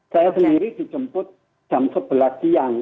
saya sendiri dijemput jam sebelas siang